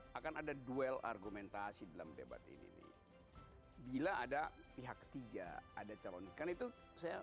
hai akan ada duel argumentasi dalam debat ini bila ada pihak ketiga ada calon kan itu saya